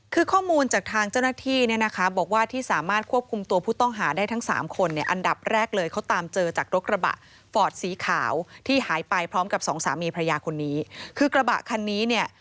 คือข้อมูลจากทางเจ้าหน้าที่เนี่ยนะคะบอกว่าที่สามารถควบคุมตัวผู้ต้องหาได้ทั้งสามคนเนี่ยอันดับแรกเลยเขาตามเจอจากรถกระบะฟอร์ดสีขาวที่หายไปพร้อมกับสองสามีพระยาคนนี้คือกระบะคันนี้เนี่ย